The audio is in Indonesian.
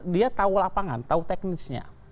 dia tahu lapangan tahu teknisnya